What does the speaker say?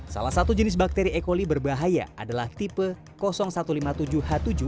salah satu jenis bakteri e coli berbahaya adalah tipe satu ratus lima puluh tujuh h tujuh